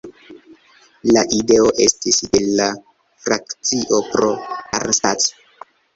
La ideo estis de la frakcio "Pro Arnstadt".